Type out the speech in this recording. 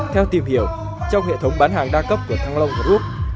theo tìm hiểu trong hệ thống bán hàng đa cấp của thăng long group